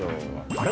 あれ？